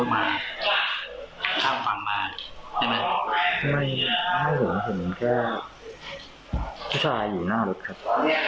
ไม่เห็นผมเห็นแค่ผู้ชายอยู่หน้ารถครับ